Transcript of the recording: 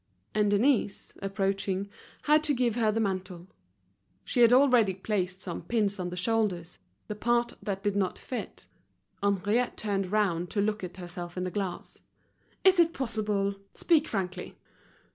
And Denise, approaching, had to give her the mantle. She had already placed some pins on the shoulders, the part that did not fit. Henriette turned round to look at herself in the glass. "Is it possible? Speak frankly."